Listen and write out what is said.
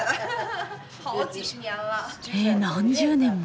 へえ何十年も。